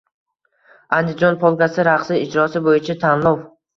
“Andijon polkasi” raqsi ijrosi bo‘yicha tanlov